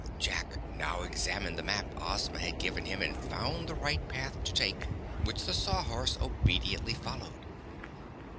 Jack now examined the map Ozma had given him and found the right path to take, which the Sawhorse obediently followed.